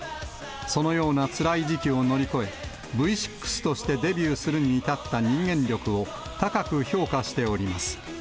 そのようなつらい時期を乗り越え、Ｖ６としてデビューするに至った人間力を高く評価しております。